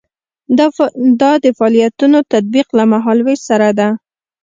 دا د فعالیتونو تطبیق له مهال ویش سره ده.